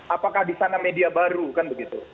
apakah di sana media baru kan begitu